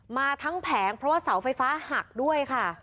มาทั้งแผงเพราะว่าเสาไฟฟ้าหักด้วยค่ะ